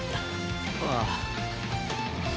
ああ。